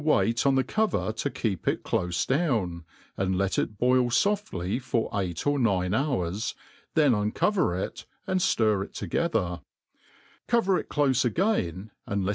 weight on the cover to keep it clofe down, and let it boil foftly for eight or nine hours, then uncover it, and ftir it together; cover it clofe again, and let.